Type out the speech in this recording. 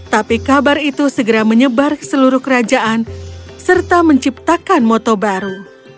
tapi kabar itu segera menyebar ke seluruh kerajaan serta menciptakan moto baru